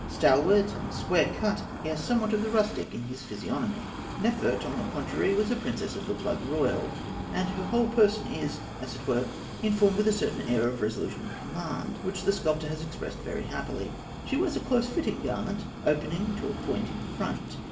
Stalwart and square cut, he has somewhat of the rustic in his physiognomy. Nefert, on the contrary (fig. 190), was a princess of the blood royal; and her whole person is, as it were, informed with a certain air of resolution and command, which the sculptor has expressed very happily. She wears a close fitting garment, opening to a point in front.